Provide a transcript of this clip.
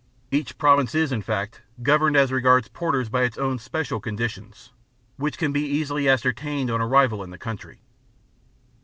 Each Province is, in fact, governed as regards porters by its own special conditions, which can easily be ascertained on arrival in the country.